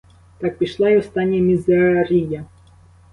Так пішла й остання мізерія.